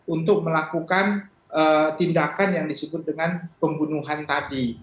untuk melakukan tindakan yang disebut dengan pembunuhan tadi